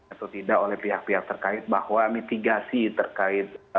atau tidak oleh pihak pihak terkait bahwa mitigasi terkait